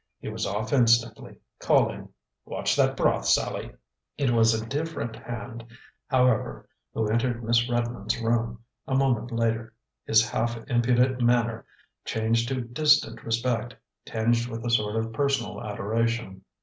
He was off instantly, calling, "Watch that broth, Sallie!" It was a different Hand, however, who entered Miss Redmond's room a moment later. His half impudent manner changed to distant respect, tinged with a sort of personal adoration.